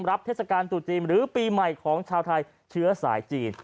เทศกาลตุจีนหรือปีใหม่ของชาวไทยเชื้อสายจีน